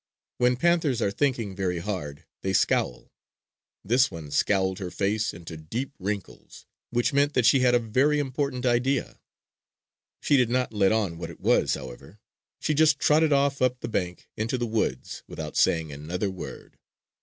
When panthers are thinking very hard they scowl. This one scowled her face into deep wrinkles; which meant that she had a very important idea. She did not let on what it was, however. She just trotted off up the bank into the woods without saying another word.